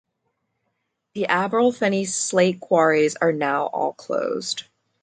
The Aberllefenni slate quarries are now all closed.